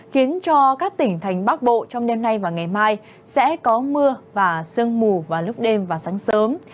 khiến cho các tỉnh thành bắc bộ trong đêm nay và ngày mai sẽ có mưa và sương mù vào lúc đêm và sáng sớm